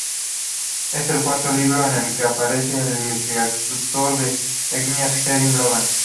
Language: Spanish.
Es el cuarto libro en el que aparece el investigador de enigmas Jeremy Logan.